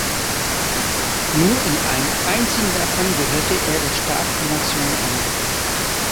Nur in einem einzigen davon gehörte er der Startformation an.